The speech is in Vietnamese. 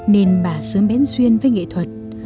nên bà sớm bén duyên với nghệ thuật